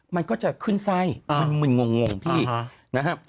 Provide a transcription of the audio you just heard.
มันก็จะขึ้นไซมันโง่พี่นะฮะ